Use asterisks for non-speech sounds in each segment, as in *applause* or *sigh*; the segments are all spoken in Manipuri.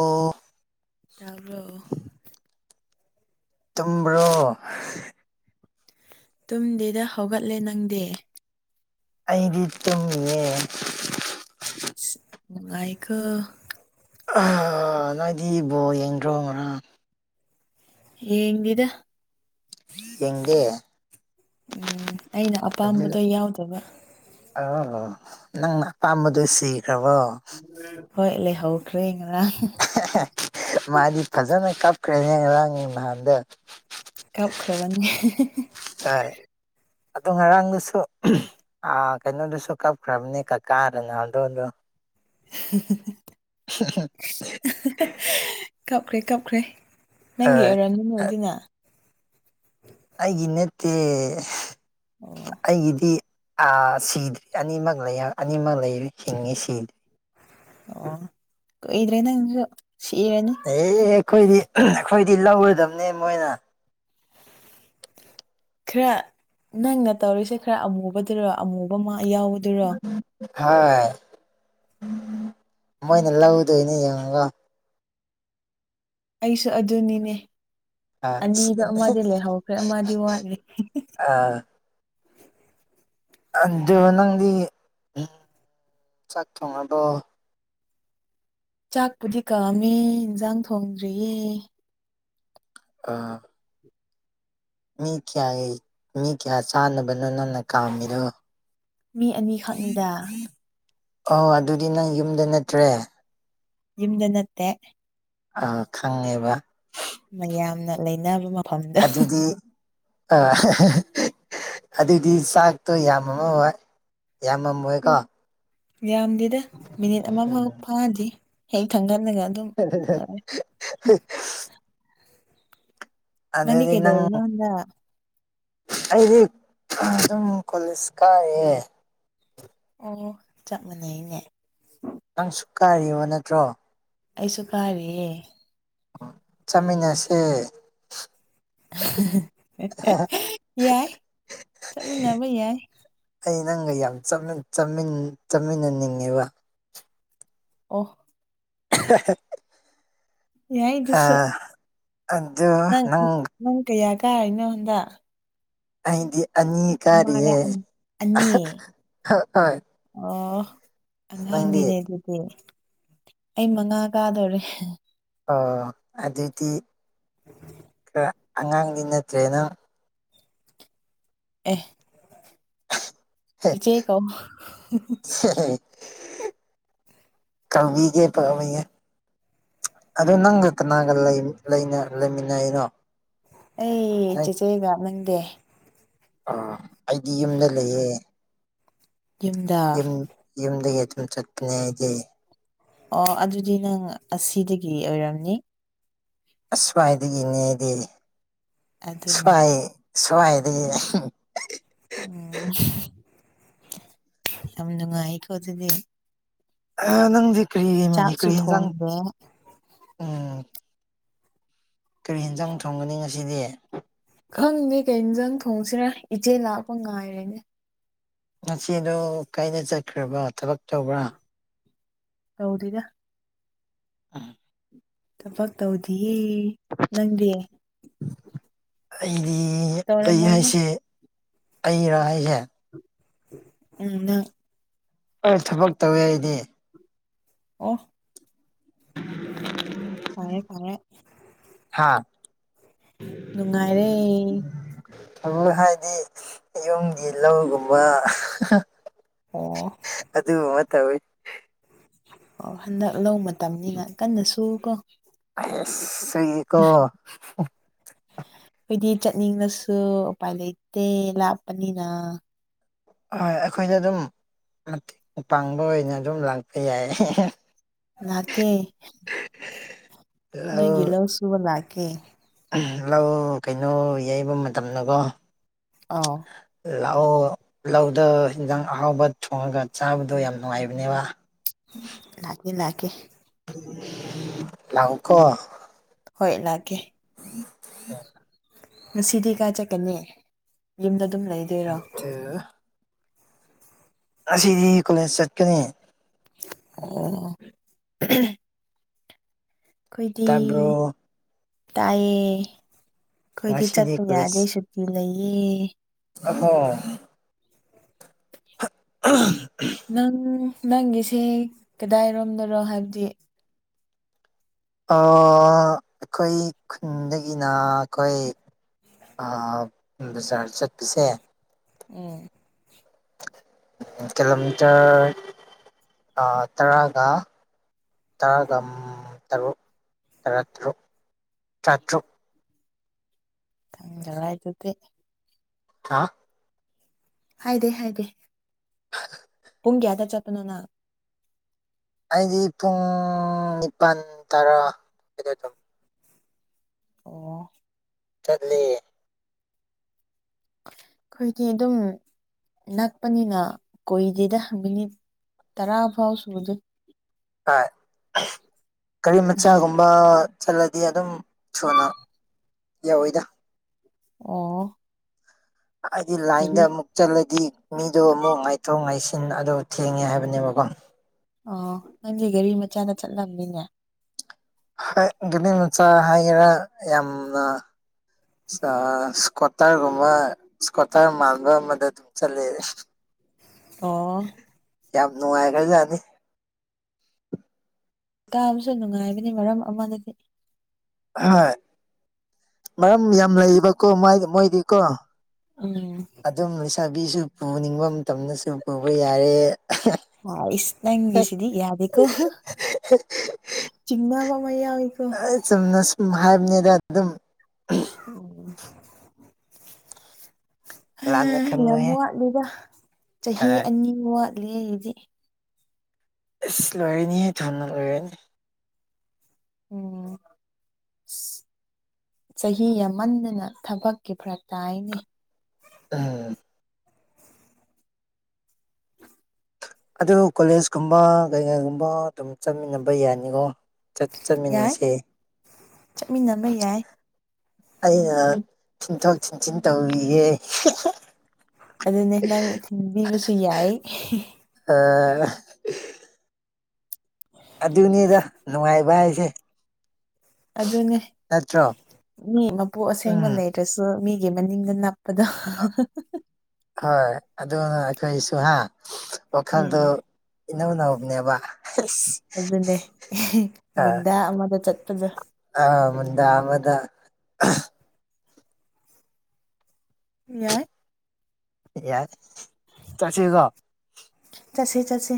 ꯑꯣ ꯇꯥꯕ꯭ꯔꯣ ꯇꯨꯝꯕ꯭ꯔꯣ ꯇꯨꯝꯗꯦꯗ ꯍꯧꯒꯠꯂꯦ ꯅꯪꯗꯤ ꯑꯩꯗꯤ ꯇꯨꯝꯃꯤꯌꯦ ꯁꯁ ꯅꯨꯡꯉꯥꯏꯀꯣ ꯑꯍ ꯅꯣꯏꯗꯤ ꯕꯣꯜ ꯌꯦꯡꯗ꯭ꯔꯣ ꯉꯔꯥꯡ ꯌꯦꯡꯗꯦꯗ ꯌꯦꯡꯗꯦ ꯎꯝ ꯑꯩꯅ ꯑꯄꯥꯝꯕꯗꯣ ꯌꯥꯎꯗꯕ ꯑꯧꯋꯣ ꯋꯣ ꯅꯪꯅ ꯑꯄꯥꯝꯕꯗꯣ ꯁꯤꯈ꯭ꯔꯕꯣ ꯍꯣꯏ ꯂꯩꯍꯧꯈ꯭ꯔꯦ ꯉꯔꯥꯡ ꯍꯦꯍꯦ ꯍꯌ ꯃꯥꯗꯤ ꯐꯖꯅ ꯀꯞꯈ꯭ꯔꯦꯅꯦ ꯉꯔꯥꯡ ꯅꯍꯥꯟꯗꯤ ꯀꯥꯞꯈ꯭ꯔꯕꯅꯤ ꯍ ꯍ ꯍ ꯍ ꯍꯍ ꯍꯣꯏ ꯑꯗꯣ ꯉꯔꯥꯡꯗꯨꯁꯨ ꯎꯝ ꯍꯨꯝ ꯑ ꯀꯩꯅꯣꯗꯨꯁꯨ ꯀꯞꯈ꯭ꯔꯕꯅꯤ ꯀꯀꯥ ꯔꯣꯅꯥꯜꯗꯣꯗꯣ ꯍꯨꯝ ꯍꯨꯝ ꯍꯨꯝ ꯑ *unintelligible* ꯑꯍꯥ ꯍꯥ ꯍꯍ ꯀꯞꯈ꯭ꯔꯦ ꯀꯞꯈ꯭ꯔꯦ ꯅꯪꯒꯤ ꯍꯣꯏ ꯑꯣꯏꯔꯝꯅꯤꯅꯦ ꯑꯗꯨꯅ ꯑꯩꯒꯤ ꯅꯠꯇꯦ ꯑꯣ ꯑꯩꯒꯤꯗꯤ ꯑꯥ ꯁꯤꯗ꯭ꯔꯤ ꯑꯅꯤꯃꯛ ꯂꯩ ꯍꯥꯏꯔ ꯑꯅꯤꯃꯛ ꯂꯩꯔꯤ ꯍꯤꯡꯉꯤ ꯁꯤ ꯑꯣ ꯀꯨꯏꯗ꯭ꯔꯦ ꯅꯪꯁꯨ ꯁꯤꯔꯅꯤ ꯑꯦ ꯑꯩꯈꯣꯏꯗꯤ ꯎꯝ ꯑꯩꯈꯣꯏꯗꯤ ꯂꯧꯔꯗꯝꯅꯤ ꯃꯣꯏꯅ ꯈꯔ ꯅꯪꯅ ꯇꯧꯔꯤꯁꯦ ꯈꯔ ꯑꯃꯨꯕꯗꯨꯔꯣ ꯑꯃꯨꯕ ꯃꯥ ꯌꯥꯎꯕ ꯍꯣꯏ ꯃꯣꯏꯅ ꯂꯧꯗꯣꯏꯅꯦ ꯌꯦꯡꯉꯒ ꯑꯩꯁꯨ ꯑꯗꯨꯅꯤꯅꯦ ꯑꯥ ꯑꯅꯤꯗ ꯑꯃꯗꯤ ꯂꯩꯍꯧꯈ꯭ꯔꯦ ꯑꯃꯗꯤ ꯋꯥꯠꯂꯤ ꯍꯤ ꯍꯦ ꯍꯦ ꯑ ꯑꯗꯣ ꯅꯪꯗꯤ ꯆꯥꯛ ꯊꯣꯡꯉꯕꯣ ꯆꯥꯛꯄꯨꯗꯤ ꯀꯥꯝꯃꯦ ꯏꯟꯖꯥꯡ ꯊꯣꯡꯗ꯭ꯔꯤꯌꯦ ꯑꯥ ꯃꯤ ꯀꯌꯥꯒꯤ ꯃꯤ ꯀꯌꯥ ꯆꯥꯅꯕꯅꯣ ꯅꯪꯅ ꯀꯥꯝꯃꯤꯔꯣ ꯃꯤ ꯑꯅꯤꯈꯛꯅꯤꯗ ꯑꯣ ꯑꯗꯨꯗꯤ ꯅꯪ ꯌꯨꯝꯗ ꯅꯠꯇ꯭ꯔꯦ ꯌꯨꯝꯗ ꯅꯠꯇꯦ ꯑꯥ ꯈꯪꯉꯦꯕ ꯃꯌꯥꯝꯅ ꯂꯩꯅꯕ ꯃ ꯑꯗꯨꯗꯤ ꯑ ꯑꯗꯨꯗꯤ ꯆꯥꯛꯇꯣ ꯌꯥꯝꯃ ꯑꯣꯏ ꯌꯥꯝ ꯃꯣꯏꯀꯥ ꯌꯥꯝꯗꯦꯗ ꯃꯤꯅꯤꯠ ꯑꯃ ꯐꯥꯎ ꯐꯥꯗ꯭ꯔꯤ ꯍꯦꯛ ꯊꯥꯡꯒꯠꯂꯒ ꯑꯗꯨꯝ ꯍ ꯂꯣꯏꯔꯦ ꯅꯪꯗꯤ ꯑꯗꯗꯤ ꯅꯪ ꯀꯩꯗꯧꯔꯤꯅꯣ ꯍꯟꯗꯛ ꯑꯩꯗꯤ ꯑꯗꯨꯝ ꯀꯣꯂꯦꯖ ꯀꯥꯔꯛꯑꯦ ꯑꯣ ꯆꯞ ꯃꯥꯟꯅꯩꯅꯦ ꯅꯪꯁꯨꯛ ꯀꯥꯏꯔꯤꯕ ꯅꯠꯇ꯭ꯔꯣ ꯑꯩꯁꯨ ꯐꯥꯥꯏꯔꯤꯦꯦ ꯆꯃꯤꯅꯦꯁꯦ ꯌꯥꯏ ꯆꯠꯃꯤꯟꯅꯕ ꯌꯥꯏ ꯑꯩ ꯅꯪꯒ ꯌꯥꯝ ꯆꯥꯃꯤꯟꯅꯅꯤꯡꯉꯦꯕ ꯑꯣꯐ *inaudible* ꯌꯥꯏꯁꯨ ꯑꯗꯨꯗ ꯅꯪ ꯅꯪ ꯀꯌꯥ ꯀꯥꯔꯤꯅꯣ ꯍꯟꯗꯛ ꯑꯩꯗꯤ ꯑꯅꯤ ꯑꯃꯔ ꯀꯥꯔꯤꯌꯦꯦ ꯑꯅꯤ ꯑꯅꯤ ꯍ ꯑꯣ ꯅꯥꯡꯅꯦꯦ ꯑꯗꯨꯗꯤꯦ ꯑꯩ ꯃꯉꯥ ꯀꯥꯗꯣꯔꯦ ꯑꯣ ꯑꯗꯨꯗꯤ ꯈꯔ ꯑꯉꯥꯡꯗꯤ ꯅꯠꯇ꯭ꯔꯦꯅꯪ ꯑꯦꯆꯦ ꯀꯣ ꯀꯜꯕꯤ ꯀꯦ ꯄꯕꯦ ꯑ ꯅꯪꯒ ꯀꯅꯥꯒ ꯂꯩꯃꯤꯟꯅꯔꯤꯅꯣ ꯑꯩꯆꯦꯆꯦꯒꯞꯅꯤꯡꯪꯗꯦ ꯑ ꯑꯩꯗꯤ ꯌꯨꯝꯗ ꯂꯩꯌꯦ ꯌꯨꯝꯗ ꯌꯨꯝ ꯌꯨꯝꯗꯒꯤ ꯑꯗꯨꯝ ꯆꯠꯄꯅꯦ ꯍꯥꯏꯗꯤ ꯑꯣ ꯑꯗꯨꯗꯤ ꯅꯪ ꯑꯁꯤꯗꯒꯤ ꯑꯣꯏꯔꯝꯅꯤ ꯑꯁ꯭ꯋꯥꯏꯗꯒꯤꯅꯦꯗꯤ ꯑꯗꯨꯅꯦ ꯁꯋꯥꯏ ꯁ꯭ꯋꯥꯏꯗꯒꯤ ꯎꯝ ꯌꯥꯝ ꯅꯨꯡꯉꯥꯏꯀꯣ ꯑꯗꯨꯗꯤ ꯑ ꯅꯪꯗꯤ ꯀꯔꯤ ꯆꯥꯛꯁꯨ ꯀꯔꯤ ꯌꯦꯟꯁꯥꯡ ꯊꯣꯡꯗꯦ ꯎꯝ ꯀꯔꯤ ꯌꯦꯟꯖꯥꯡ ꯊꯣꯡꯒꯅꯤ ꯉꯁꯤꯗꯤ ꯈꯪꯗꯦ ꯀꯖꯪ ꯊꯣꯡꯁꯤꯔ ꯏꯆꯦ ꯂꯥꯛꯄ ꯉꯥꯏꯔꯦꯅꯦ ꯉꯁꯤꯗꯣ ꯀꯩꯅ ꯆꯠꯈ꯭ꯔꯕꯣ ꯊꯕꯛ ꯇꯧꯕ꯭ꯔꯥ ꯇꯧꯗꯗ ꯎꯝ ꯊꯕꯛ ꯇꯧꯗꯤꯌꯦ ꯅꯪꯗꯤ ꯑꯩꯗꯤ ꯑꯩ ꯇꯧꯔꯝꯃꯣꯏꯅꯦ ꯍꯥꯏꯁꯦ ꯑꯔꯥ ꯍꯥꯏꯁꯦ ꯎ ꯑ ꯊꯕꯛ ꯇꯧꯋꯦ ꯑꯩꯗꯤ ꯑꯣ ꯐꯉꯦ ꯐꯉꯦ ꯍꯥꯥ ꯅꯨꯡꯉꯥꯏꯔꯦ ꯑꯗꯨ ꯍꯥꯏꯗꯤ ꯌꯨꯝꯒꯤ ꯂꯧꯒꯨꯝꯕ ꯑꯣ ꯑꯗꯨꯗ ꯃꯥ ꯇꯕꯦ ꯑꯣ ꯍꯟꯗꯛ ꯂꯧ ꯃꯇꯝꯅꯤꯅ ꯀꯟꯅ ꯁꯨ ꯀꯣ ꯁꯀꯣ ꯑꯩꯈꯣꯏꯗꯤ ꯆꯠꯅꯤꯡꯂꯁꯨ ꯎꯄꯥꯏ ꯂꯩꯇꯦ ꯂꯥꯞꯄꯅꯤꯅ ꯍꯣꯏ ꯑꯩꯈꯣꯏꯗ ꯑꯗꯨꯝ ꯃꯇꯦꯡ ꯄꯥꯡꯕ ꯑꯣꯏꯅ ꯑꯗꯨꯝ ꯂꯥꯛꯄ ꯌꯥꯏ ꯂꯥꯛꯀꯦ ꯂꯧ ꯅꫭꯏꯒꯤꯂꯣꯁꯨꯕ ꯂꯥꯛꯀꯦ ꯂꯧ ꯀꯩꯅꯣ ꯌꯩꯕ ꯃꯇꯝꯗꯀꯣ ꯑꯥꯎ ꯂꯥꯛꯑꯣ ꯂꯧꯗ ꯏꯟꯖꯥꯡ ꯑꯍꯥꯎꯕ ꯊꯣꯡꯉꯒ ꯆꯥꯕꯗꯣ ꯌꯥꯝ ꯅꯨꯡꯉꯥꯏꯕꯅꯦꯕ ꯂꯥꯛꯀꯦ ꯂꯛꯀꯦ ꯂꯥꯛꯎꯀꫭ ꯍꯣꯏ ꯂꯥꯛꯀꯦ *inaudible* ꯉꯁꯤꯗꯤ ꯀꯥꯏ ꯆꯠꯀꯅꯤ ꯌꯨꯝꯗ ꯑꯗꯨꯝ ꯂꯩꯗꯣꯏꯔꯣ ꯑꯗꯨ ꯉꯁꯤꯗꯤ ꯀꯣꯂꯦꯟ ꯆꯠꯀꯅꯤ ꯑꯣ *unintelligible* ꯑꯩꯈꯣꯏꯗꯤ ꯇꯥꯕ꯭ꯔꯣ ꯇꯥꯏꯌꯦ ꯑꯩꯈꯣꯏꯗꯤ ꯉꯁꯤꯗꯤ ꯆꯠꯄ ꯀꯣꯂꯦꯖ ꯌꯥꯗꯦꯁꯨ ꯇꯤ ꯂꯩꯌꯦ *unintelligible* *unintelligible* ꯅꯪ ꯅꯪꯒꯤꯁꯦ ꯀꯗꯥꯏꯔꯣꯝꯅꯔꯣ ꯍꯥꯏꯕꯗꯤ ꯑꯩꯈꯣꯏ ꯈꯨꯟꯗꯒꯤꯅ ꯑꯩꯈꯣꯏ ꯥꯑ ꯕꯖꯥꯔ ꯆꯠꯄꯁꯦ ꯎꯝ ꯀꯤꯂꯣꯃꯤꯇꯔ ꯇꯔꯥꯒ ꯇꯔꯥꯒ ꯇꯔꯨꯛ ꯇꯔꯥꯇꯔꯨꯛ ꯇꯔꯥꯇꯔꯨꯛ ꯈꯪꯗꯔꯩ ꯑꯗꯨꯗꯤ *unintelligible* ꯍꯥꯏꯗꯦ ꯍꯥꯏꯗꯦ *inaudible* ꯄꯨꯡ ꯀꯌꯥꯗ ꯆꯠꯇꯄꯅꯣ ꯅꯪ ꯑꯩꯗꯤ ꯄꯨꯡ ꯅꯤꯄꯥꯜ ꯇꯔꯥ ꯑꯗꯨꯗ ꯑꯗꯨꯝ ꯑꯣ ꯆꯠꯂꯤ ꯑꯩꯈꯣꯏꯒꯤ ꯑꯗꯨꯝ ꯅꯛꯄꯅꯤꯅ ꯀꯣꯏꯗꯦꯗ ꯃꯤꯅꯤꯠ ꯇꯔꯥ ꯐꯥꯎ ꯁꯨꯗ *unintelligible* ꯒꯥꯔꯤ ꯃꯆꯥꯒꯨꯝ ꯃ ꯆꯠꯂꯗꯤ ꯑꯗꯨꯝ ꯊꯨꯅ ꯌꯧꯋꯤꯗ ꯑꯣ ꯍꯥꯏꯗꯤ ꯂꯥꯏꯟꯗ ꯒꯥꯔꯤ ꯑꯃꯨꯛ ꯆꯠꯂꯗꯤ ꯃꯤꯗꯣ ꯑꯃꯨꯛ ꯉꯥꯏꯊꯣꯛ ꯉꯥꯏꯁꯤꯟ ꯑꯗꯨꯗ ꯊꯦꯡꯉꯦ ꯍꯥꯏꯕꯅꯦꯕꯀꯣ ꯑꯣ ꯅꯪꯗꯤ ꯒꯥꯔꯤ ꯃꯆꯥꯗ ꯆꯠꯂꯝꯅꯤꯅꯦ ꯒꯦꯅꯤ ꯃꯆꯥ ꯍꯥꯏꯒꯦꯔꯥ ꯌꯥꯝꯅ ꯑ ꯁꯀꯇꯔꯒꯃ ꯏꯁꯀꯇꯔ ꯃꯥꯜꯕ ꯑꯃꯗ ꯆꯠꯂꯦ ꯑꯣ ꯌꯥꯝ ꯅꯨꯡꯉꯥꯏꯈ꯭ꯔꯖꯥꯅꯤ ꯇꯥꯕꯁꯨ ꯅꯨꯡꯉꯥꯏꯕꯅꯤ ꯃꯔꯝ ꯑꯃꯅꯗꯤ ꯍꯣꯏ ꯃꯔꯝ ꯌꯥꯝ ꯂꯩꯌꯦꯕꯀꯣ ꯃꯥꯏ ꯃꯣꯏꯗꯤꯀꯣ ꯎꯝ ꯑꯗꯨꯝ ꯂꯩꯁꯥꯕꯤꯁꯨ ꯄꯨꯅꯤꯡꯕ ꯃꯇꯝꯗꯁꯨ ꯄꯨꯕ ꯌꯥꯔꯦ ꯍꯥꯏꯁ ꯅꯪꯒꯤꯁꯤꯗꯤ ꯌꯥꯗꯦꯀꯣ *unintelligible* ꯆꯤꯡꯅꯕ ꯑꯃꯥ ꯌꯥꯎꯏꯀꯣ ꯑꯩ ꯆꯨꯝꯅ ꯁꯨꯝ ꯍꯥꯏꯕꯅꯤꯗ ꯑꯗꯨꯝ *inaudible* ꯂꯥꯟꯅ ꯌꯥꯝ ꯈꯟꯅꯨꯍꯦ ꯋꯥꯠꯂꯤꯗ ꯆꯍꯤ ꯑꯅꯤ ꯋꯥꯠꯂꯤ ꯑꯩꯒꯤꯗꯤ ꯏꯁ ꯂꯣꯏꯔꯅꯤ ꯊꯨꯅ ꯂꯣꯏꯔꯅꯤ ꯎꯝ ꯆꯍꯤ ꯌꯥꯝꯃꯟꯗꯅ ꯊꯕꯛꯀꯤ ꯐꯔꯛ ꯇꯥꯏꯅꯦ ꯎꯝ ꯑꯗꯨ ꯀꯣꯂꯦꯖꯀꯨꯝꯕ ꯀꯩꯀꯩꯒꯨꯝꯕ ꯑꯗꯨꯝ ꯆꯠꯃꯤꯟꯅꯕ ꯌꯥꯅꯤꯀꯣ ꯌꯥꯏ ꯆꯠꯃꯤꯟꯅꯁꯦ ꯆꯠꯃꯤꯟꯅꯕ ꯌꯥꯏ ꯑꯩꯅ ꯊꯤꯟꯊꯣꯛ ꯊꯤꯟꯁꯤꯟ ꯇꯧꯕꯤꯒꯦ ꯑꯗꯨꯅꯦ ꯅꯪ ꯊꯟꯕꯤꯔꯁꯨ ꯌꯥꯏ *unintelligible* ꯑꯗꯨꯅꯤꯗ ꯅꯨꯡꯉꯥꯏꯕ ꯍꯥꯏꯁꯦ ꯑꯗꯨꯅꯦ ꯅꯠꯇ꯭ꯔꯣ ꯃꯤ ꯃꯄꯨ ꯑꯁꯦꯡꯕ ꯎꯝ ꯂꯩꯔꯁꯨ ꯃꯤꯒꯤ ꯃꯅꯤꯡꯗ ꯅꯞ ꯄꯗꯣ *unintelligible* ꯍꯣꯏ ꯑꯗꯨꯅ ꯑꯩꯈꯣꯏꯁꯨ ꯍꯥ ꯋꯥꯈꯜꯗꯨ ꯎꯝ ꯏꯅꯧ ꯅꯧꯕꯅꯦꯕ ꯑꯗꯨꯅꯦ ꯃꯨꯟꯗꯥ ꯑꯃꯗ ꯆꯠꯄꯗꯣ ꯑ ꯃꯨꯟꯗꯥ ꯑꯃꯥꯗ ꯌꯥꯏ ꯌꯥꯏ ꯆꯠꯁꯤꯒꯣ ꯆꯠꯁꯤ ꯆꯠꯁꯤ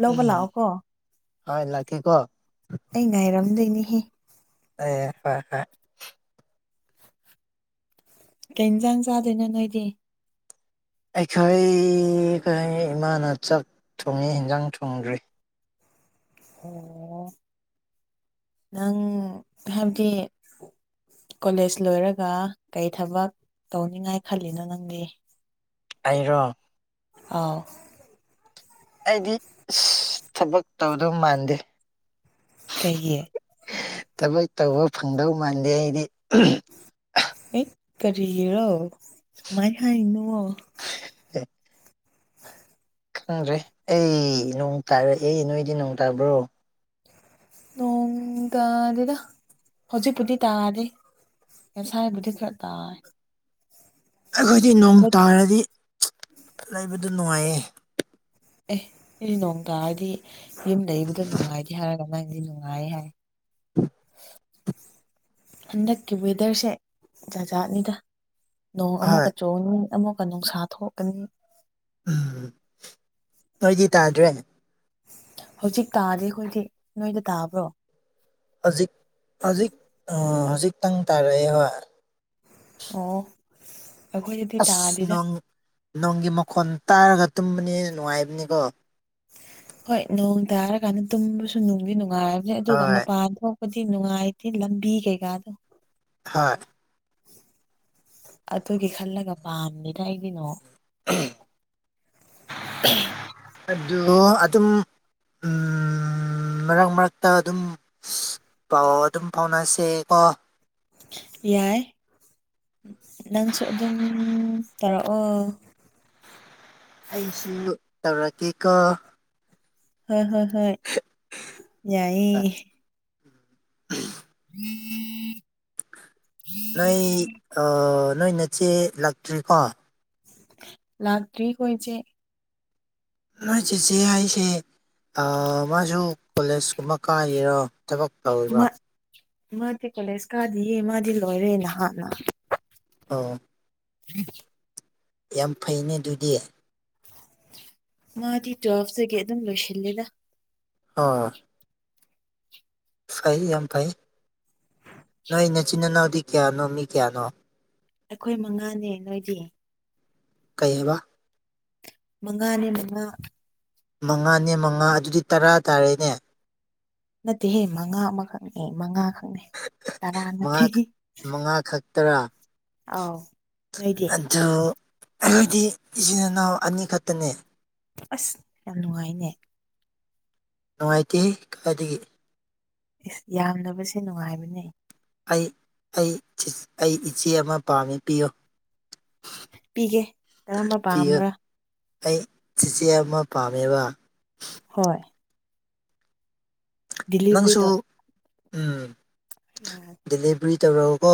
ꯂꯧꯕ ꯎꯝ ꯂꯥꯛꯑꯣ ꯀꯣ ꯍꯣꯏ ꯂꯥꯛꯀꯦꯀꯣ ꯑꯩ ꯉꯥꯏꯔꯝꯗꯣꯏꯅꯤꯍꯦ ꯑꯦ ꯍꯣꯏ ꯍꯣꯏ ꯀꯩꯏꯟꯖꯥꯡ ꯆꯗꯣꯏꯅꯣ ꯅꯣꯏꯗꯤ ꯑꯩꯈꯣꯏ ꯈꯣꯏ ꯏꯃꯥꯅ ꯆꯥꯛ ꯊꯣꯡꯉꯤ ꯏꯟꯖꯥꯡ ꯊꯣꯡꯗ꯭ꯔꯤ ꯑꯣ ꯅꯪ ꯍꯥꯏꯕꯗꯤ ꯀꯣꯂꯦꯖ ꯂꯣꯏꯔꯒ ꯀꯩ ꯊꯕꯛ ꯇꯧꯅꯤꯉꯥꯏ ꯈꯜꯂꯤꯅꯣ ꯅꯪꯗꯤ ꯑꯩꯔꯣ ꯑꯥꯎ ꯑꯩꯗꯤ ꯑꯁ ꯊꯕꯛ ꯇꯧꯗꯧ ꯃꯥꯟꯗꯦ ꯀꯩꯒꯤ ꯊꯕꯛ ꯇꯧꯕ ꯐꯪꯗꯧ ꯃꯥꯟꯗꯦ ꯑꯩꯗꯤ ꯑꯦ ꯀꯔꯤꯒꯤꯔꯣ ꯗꯨꯃꯥꯏ ꯍꯥꯏꯅꯨꯑꯣ *inaudible* ꯈꯪꯗ꯭ꯔꯦ ꯑꯩ ꯅꯣꯡ ꯇꯥꯔꯛꯑꯦ ꯅꯣꯏꯗꯤ ꯅꯣꯡ ꯇꯥꯕ꯭ꯔꯣ ꯅꯣꯡ ꯇꯥꯗꯦꯗ ꯍꯧꯖꯤꯛꯄꯨꯗꯤ ꯇꯥꯗꯔꯤ ꯉꯥꯁꯥꯏꯕꯨꯗꯤ ꯈꯔ ꯇꯥꯏ ꯑꯩꯈꯣꯏꯗꯤ ꯅꯣꯡ ꯍꯟꯗꯛ ꯇꯥꯔꯗꯤ ꯂꯩꯕꯗꯨ ꯅꯨꯡꯉꯥꯏꯌꯦ ꯑꯦ ꯑꯩꯗꯤ ꯅꯣꯡ ꯇꯥꯔꯗꯤ ꯌꯨꯝ ꯂꯩꯕꯗꯣ ꯅꯨꯡꯉꯥꯏꯇꯦ ꯍꯥꯏꯔꯒ ꯅꯪꯗꯤ ꯅꯨꯡꯉꯥꯏꯌꯦ ꯍꯥꯏ *unintelligible* ꯍꯟꯗꯛꯀꯤ ꯋꯦꯗꯔꯁꯦ ꯖꯥꯖꯥꯠꯅꯤꯗ ꯅꯣꯡ ꯍꯣꯏ ꯑꯃꯨꯛꯀꯥ ꯆꯨꯒꯅꯤ ꯑꯃꯨꯛꯀꯥ ꯅꯨꯡꯁꯥ ꯊꯣꯛꯀꯅꯤ ꯎꯝ ꯅꯣꯏꯗꯤ ꯇꯥꯗ꯭ꯔꯦ ꯍꯧꯖꯤꯛ ꯇꯥꯗꯤ ꯑꯩꯈꯣꯏꯗꯤ ꯅꯣꯏꯗ ꯇꯥꯕ꯭ꯔꯣ ꯍꯧꯖꯤꯛ ꯍꯧꯖꯤꯛ ꯍꯧꯖꯤꯛꯛꯇꯪ ꯇꯥꯔꯛꯑꯦ ꯍꯣꯏ ꯑꯣ ꯑꯩꯈꯣꯏꯗꯗꯤ ꯑꯁ ꯇꯥꯗꯦꯗ ꯅꯣꯡ ꯅꯣꯡꯒꯤ ꯃꯈꯣꯟ ꯇꯥꯔꯒ ꯇꯨꯝꯕꯅꯦꯅ ꯅꯨꯡꯉꯥꯏꯕꯅꯤꯀꯣ ꯍꯣꯏ ꯅꯣꯡ ꯇꯥꯔꯀꯥꯟꯗ ꯇꯨꯝꯕꯁꯨ ꯅꯨꯡꯗꯤ ꯅꯨꯡꯉꯥꯏꯔꯕꯅꯦ ꯑꯗꯨꯒ ꯍꯣꯏ ꯃꯄꯥꯟꯗꯣ ꯀꯗꯤ ꯅꯨꯡꯉꯥꯏꯇꯦ ꯂꯝꯕꯤ ꯀꯩꯀꯥꯗꯣ ꯍꯣꯏ ꯑꯗꯨꯒꯤ ꯈꯜꯂꯒ ꯄꯥꯝꯅꯤꯅ ꯑꯩꯒꯤꯅꯣ ꯑꯗꯨ ꯑꯗꯨꯝ ꯎꯝ ꯃꯔꯛ ꯃꯔꯛꯇ ꯑꯗꯨꯝ ꯄꯥꯎ ꯑꯗꯨꯝ ꯐꯥꯎꯅꯁꯦ ꯀꯣ ꯌꯥꯏ ꯅꯪꯁꯨ ꯑꯗꯨꯝ ꯇꯧꯔꯛꯑꯣ ꯑꯩꯁꯨ ꯇꯧꯔꯛꯀꯦꯀꯣ ꯍꯣꯏ ꯍꯣꯏ ꯍꯣꯏ ꯌꯥꯏꯌꯦ ꯎ ꯎꯝ ꯎꯝ ꯅꯣꯏ ꯅꯣꯏ ꯅꯆꯦ ꯂꯥꯛꯇ꯭ꯔꯤꯀꯣ ꯂꯥꯛꯇ꯭ꯔꯤ ꯑꯣꯏꯣꯏꯁꯦ ꯅꯣꯏ ꯆꯤꯠꯆꯦ ꯑꯩꯁꯦ ꯃꯥꯁꯨ ꯀꯣꯂꯦꯖ ꯀꯨꯝꯕ ꯀꯥꯏꯔꯤꯔꯣ ꯃꯥꯗꯤ ꯀꯣꯂꯦꯖ ꯀꯥꯗꯤ ꯃꯥꯗꯤ ꯂꯣꯏꯔꯦ ꯅꯍꯥꯟꯅ ꯑꯣ ꯎ ꯌꯥꯝ ꯐꯩꯩꯅ ꯑꯗꯨꯗꯤ ꯃꯥꯗꯤ ꯇꯨꯋꯦꯜꯐꯇꯒꯤ ꯑꯗꯨꯝ ꯂꯣꯏꯁꯤꯜꯂꯦꯗ ꯑꯥ ꯐꯩ ꯌꯥꯝ ꯐꯩ ꯅꯣꯏ ꯃꯆꯤꯟ ꯏꯅꯥꯎꯗꯤ ꯀꯌꯥꯅꯣ ꯃꯤ ꯀꯌꯥꯅꯣ ꯑꯩꯈꯣꯏ ꯃꯉꯥꯅꯦ ꯅꯣꯏꯗꯤ ꯀꯩ ꯍꯥꯏꯕ ꯃꯉꯥꯅꯦ ꯃꯉꯥ ꯃꯉꯥꯅꯦ ꯃꯉꯥ ꯑꯗꯨꯗꯤ ꯇꯔꯥ ꯇꯥꯔꯦꯅꯦ ꯅꯠꯇꯦꯍꯦ ꯃꯉꯥ ꯑꯃꯈꯛꯅꯦ ꯃꯉꯥ ꯈꯛꯅꯤ ꯇꯔꯥꯅ ꯊ ꯃꯉꯥ ꯈꯛ- ꯃꯉꯥ ꯈꯛꯇꯔꯥ ꯑꯥꯎ ꯅ ꯑꯗꯨ ꯑꯩꯣꯏꯗꯤ ꯏꯆꯤꯟ ꯏꯅꯥꯎ ꯑꯅꯤꯈꯛꯇꯅꯦ ꯑꯁ ꯌꯥꯝ ꯅꯨꯡꯉꯥꯏꯅꯦ ꯅꯨꯡꯉꯥꯏꯇꯦ ꯀꯗꯥꯏꯗꯒꯤ ꯏꯁ ꯌꯥꯝꯕꯁꯦ ꯅꯨꯡꯉꯥꯏꯕꯅꯦ ꯑꯩ ꯑꯩ ꯑꯩ ꯏꯆꯦ ꯑꯃ ꯄꯥꯝꯃꯦ ꯄꯤꯌꯨ ꯄꯤꯒꯦ ꯀꯔꯝꯕ ꯄꯥꯝꯕ ꯑꯩ ꯆꯦꯆꯦ ꯑꯃ ꯄꯥꯝꯃꯦꯕ ꯍꯣꯏ ꯗꯤꯂꯤꯚꯔꯤ ꯅꯪꯁꯨ ꯎꯝ ꯎ ꯗꯦꯂꯤꯕꯔꯤ ꯇꯧꯔꯛꯎꯀꯣ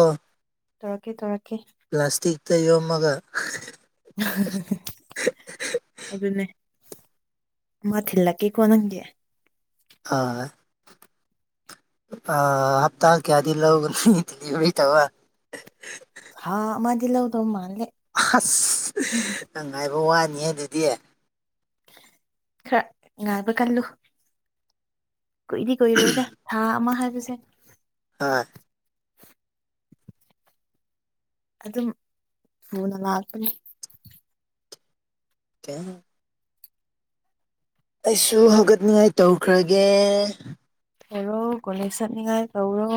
ꯇꯧꯔꯛꯀ ꯇꯧꯔꯛꯀ ꯄ꯭ꯂꯥꯁꯇꯤꯛꯇ ꯌꯣꯝꯃꯒ ꯑꯗꯨꯅꯦ ꯃꯊꯂ ꯀꯦ ꯀꯣ ꯅꯪꯦ ꯑꯣꯏ ꯍꯥꯞꯇꯥ ꯀꯌꯥꯗ ꯂꯧꯒ ꯗꯂꯤꯕꯔꯤ ꯇꯧ ꯍꯥ ꯃꯗꯤꯂꯗ ꯃꯥꯜꯂꯦ ꯑꯁ ꯎꯝ ꯅ ꯉꯥꯏꯕ ꯋꯥꯅꯤ ꯑꯗꯨꯗꯤ ꯈꯔ ꯉꯥꯏꯕ ꯀꯜꯂꯨ ꯀꯨꯏꯗꯤ ꯀꯨꯏꯔꯣꯏꯗ ꯊꯥ ꯑꯃ ꯍꯥꯏꯕꯁꯦ ꯍꯣꯏ ꯑꯗꯨꯝ ꯊꯨꯅ ꯂꯥꯛꯀꯅꯤ ꯀ ꯑꯩꯁꯨ ꯍꯧꯒꯠꯅꯤꯉꯥꯏ ꯇꯧꯈ꯭ꯔꯒꯦ ꯑꯣꯔꯣ ꯀꯅꯤꯁ ꯆꯅꯤꯉꯥꯏ ꯀꯧꯔꯣ